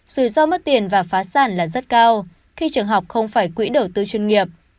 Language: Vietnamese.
rủi ro mất tiền và phá sản là rất cao khi trường học không phải quỹ đầu tư chuyên nghiệp